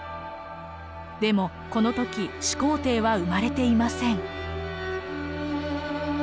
でもこの時始皇帝は生まれていません。